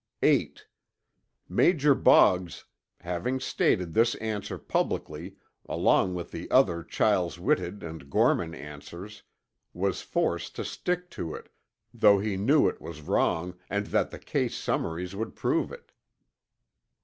8. Major Boggs, having stated this answer publicly (along with the other Chiles Whitted and Gorman answers), was forced to stick to it, though he knew it was wrong and that the case summaries would prove it.